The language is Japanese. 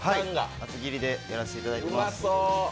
厚切りでやらせていただいてます。